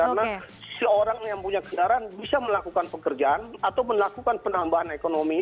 karena seorang yang punya kecerdasan bisa melakukan pekerjaan atau melakukan penambahan ekonomi